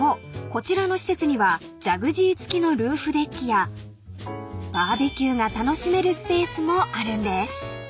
こちらの施設にはジャグジー付きのルーフデッキやバーベキューが楽しめるスペースもあるんです］